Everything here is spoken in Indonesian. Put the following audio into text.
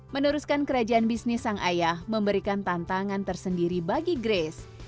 meneruskan kerajaan bisnis sang ayah memberikan tantangan tersendiri bagi grace